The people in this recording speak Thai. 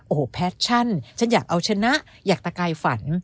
โอ้โหแพชชั่นฉันฉันอยากเอาชนะอยากตะกายฝัน